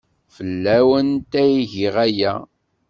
Fell-awent ay giɣ aya.